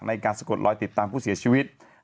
สะกดลอยติดตามผู้เสียชีวิต